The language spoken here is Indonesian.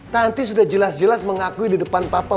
nanti sudah jelas jelas mengakui di depan papa